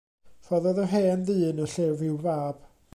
Rhoddodd yr hen ddyn y llyfr i'w fab.